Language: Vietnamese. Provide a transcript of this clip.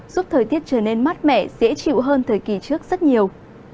giúp thời tiết trở nên mát mẻ dễ chịu hơn thời kỳ trước rất nhiều